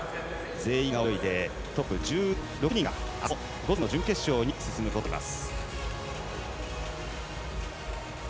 全員が泳いで、トップ１６人があすの午前の準決勝に進むことになります。